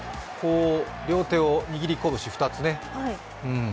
両手を握り拳２つね。